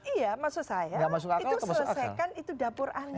iya maksud saya itu selesaikan itu dapur anda